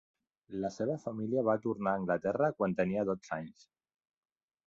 La seva família va tornar a Anglaterra quan tenia dotze anys.